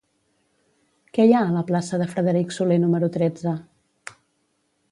Què hi ha a la plaça de Frederic Soler número tretze?